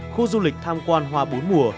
khu du lịch tham quan hoa bốn mùa